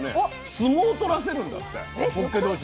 相撲取らせるんだってほっけ同士に。